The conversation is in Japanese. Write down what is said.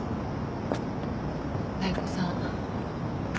妙子さん